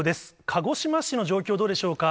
鹿児島市の状況、どうでしょうか？